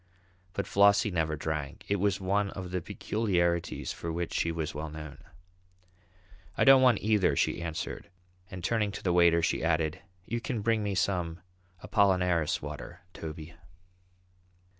But Flossie never drank. It was one of the peculiarities for which she was well known. "I don't want either," she answered, and turning to the waiter, she added, "You can bring me some Apollinaris water, Toby."